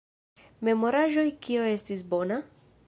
Memoraĵoj Kio estis bona?